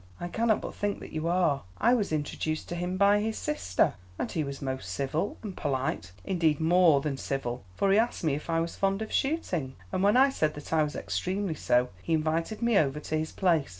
I cannot but think that you are. I was introduced to him by his sister, and he was most civil and polite, indeed more than civil, for he asked me if I was fond of shooting, and when I said that I was extremely so, he invited me over to his place.